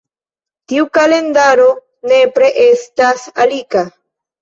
Tiu kalendaro nepre estas laika.